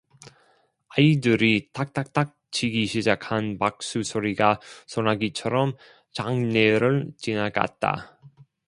아이들이 딱딱딱 치기 시작한 박수 소리가 소나기처럼 장내를 지나갔다.